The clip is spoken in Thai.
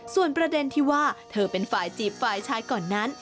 ส่วนประเด็นที่ว่าเธอเป็นฝ่ายจีบฝ่ายชายก่อนนั้น